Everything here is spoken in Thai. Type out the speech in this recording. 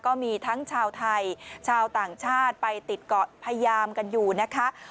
ก็มีทั้งชาวไทยชาวต่างชาติไปติดเกาะพยายามกันอยู่นะคะ